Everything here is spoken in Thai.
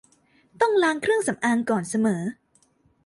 ต้องล้างเครื่องสำอางก่อนเสมอ